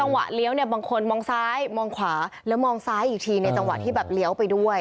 วะเลี้ยวเนี่ยบางคนมองซ้ายมองขวาแล้วมองซ้ายอีกทีในจังหวะที่แบบเลี้ยวไปด้วย